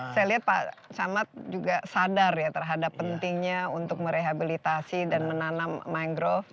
saya lihat pak camat juga sadar ya terhadap pentingnya untuk merehabilitasi dan menanam mangrove